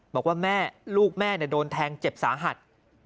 บอกว่าแม่ลูกแม่โดนแทงเจ็บสาหัส